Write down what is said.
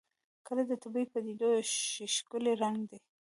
کلي د طبیعي پدیدو یو ښکلی رنګ دی.